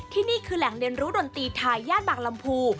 นี่คือแหล่งเรียนรู้ดนตรีไทยย่านบางลำพู